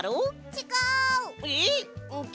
ちがうの？